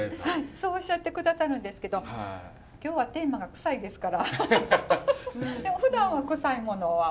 そうおっしゃって下さるんですけど今日はテーマがでもふだんはクサいものは？